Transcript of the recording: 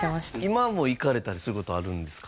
今も行かれたりすることあるんですか？